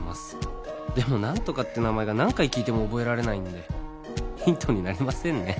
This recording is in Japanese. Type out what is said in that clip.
「でもナントカって名前が何回聞いても覚えられないんでヒントになりませんね」